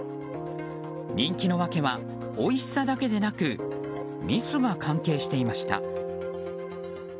人気の訳はおいしさだけでなくミスが関係していました。